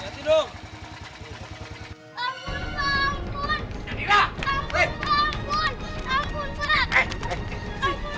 setiap bapak marah kamu selalu lari